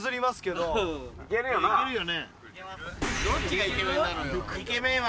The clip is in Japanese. どっちがイケメンなのよ？